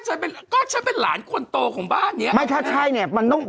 ฉันเป็นก็ฉันเป็นหลานคนโตของบ้านเนี้ยไม่ถ้าใช่เนี้ยมันต้อง